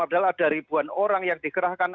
adalah ada ribuan orang yang dikerahkan